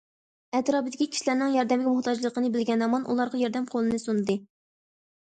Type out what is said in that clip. ئەتراپىدىكى كىشىلەرنىڭ ياردەمگە موھتاجلىقىنى بىلگەن ھامان ئۇلارغا ياردەم قولىنى سۇندى.